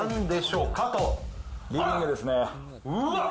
うわっ。